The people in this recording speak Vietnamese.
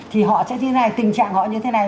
thì họ sẽ như thế này tình trạng họ như thế này